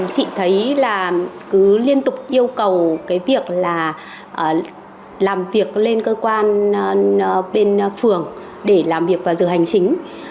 chị thấy là cứ liên tục yêu cầu cái việc là làm việc lên cơ quan bên phường để làm việc vào giờ hành chính